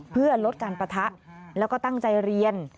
เพื่อลดการปะทะแล้วก็ตั้งใจเรียน